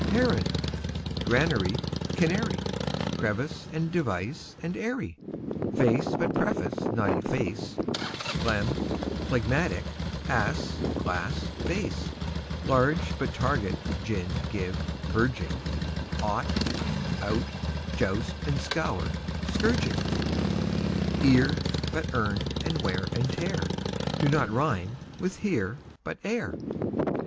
Heron; granary, canary; Crevice, and device, and eyrie; Face but preface, but efface, Phlegm, phlegmatic; ass, glass, bass; Large, but target, gin, give, verging; Ought, out, joust and scour, but scourging; Ear, but earn; and wear and tear Do not rime with "here", but "ere".